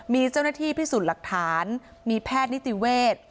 มีเจ้าหน้าที่พิสูจน์หลักฐานมีแพทย์นิติเวทย์